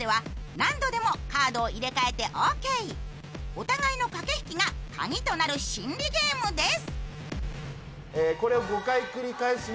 お互いの駆け引きがカギとなる心理ゲームです。